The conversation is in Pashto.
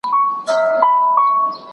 علمي پوهه انسان قوي کوي.